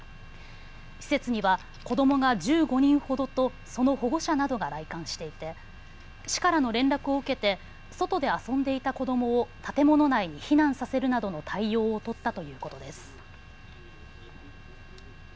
施設には子どもが１５人ほどとその保護者などが来館していて市からの連絡を受けて外で遊んでいた子どもを建物内に避難させるなどの対応を取ったということです。